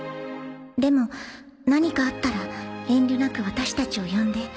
でも何かあったら遠慮なく私たちを呼んで。